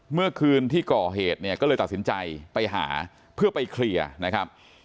เมื่อคืนที่ก่อเหตุเนี่ยก็เลยตัดสินใจไปหาเพื่อไปเคลียร์นะครับ